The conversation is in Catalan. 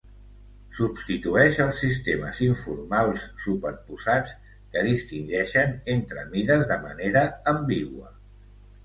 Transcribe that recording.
Substitueix els sistemes informals superposats que distingeixen entre mides de manera ambigua.